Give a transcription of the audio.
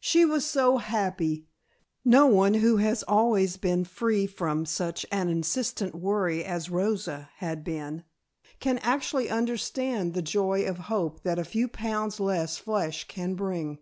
She was so happy! No one who has always been free from such an insistent worry as Rosa's had been, can actually understand the joy of hope that a few pounds less flesh can bring.